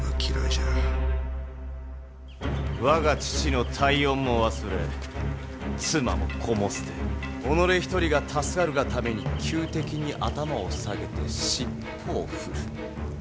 我が父の大恩も忘れ妻も子も捨て己一人が助かるがために仇敵に頭を下げて尻尾を振るハッ。